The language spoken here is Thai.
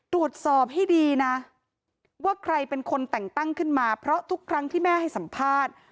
ตรวจสอบให้ดีนะว่าใครเป็นคนแต่งตั้งขึ้นมาเพราะทุกครั้งที่แม่ให้สัมภาษณ์